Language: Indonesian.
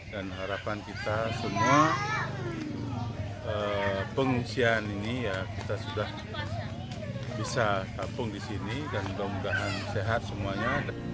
dan harapan kita semua pengungsian ini ya kita sudah bisa kampung di sini dan semoga sehat semuanya